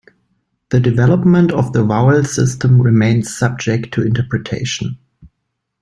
The development of the vowel system remains subject to interpretation.